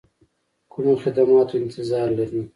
کومو خدماتو انتظار لري.